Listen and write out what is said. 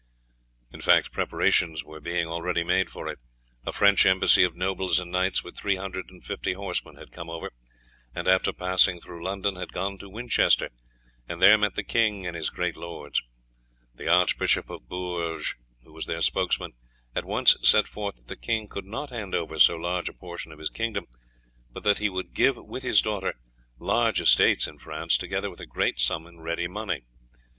In fact, preparations were being already made for it. A French embassy of nobles and knights, with three hundred and fifty horsemen, had come over, and, after passing through London, had gone to Winchester, and there met the king and his great lords. The Archbishop of Bourges, who was their spokesman, at once set forth that the king could not hand over so large a portion of his kingdom, but that he would give with his daughter large estates in France, together with a great sum in ready money.